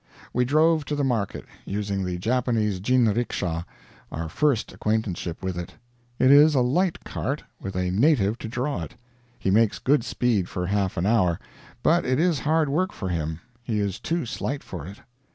We drove to the market, using the Japanese jinriksha our first acquaintanceship with it. It is a light cart, with a native to draw it. He makes good speed for half an hour, but it is hard work for him; he is too slight for it.